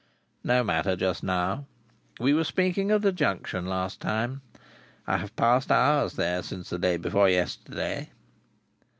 No matter just now. We were speaking of the Junction last time. I have passed hours there since the day before yesterday."